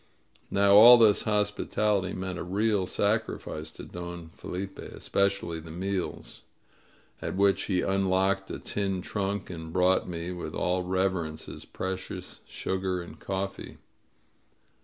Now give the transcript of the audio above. Now all this hospitality meant a real sacrifice to Don Felipe, especially the meals, at which he unlocked a tin trunk and brought me with all reverence his pre cious sugar and coffee.